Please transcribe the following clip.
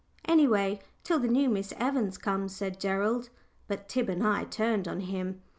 "Any way, till the new Miss Evans comes," said Gerald. But Tib and I turned on him.